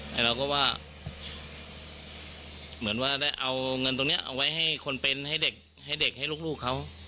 แต่เราก็ว่าเหมือนว่าได้เอาเงินตรงนี้เอาไว้ให้คนเป็นให้เด็กให้เด็กให้ลูกเขา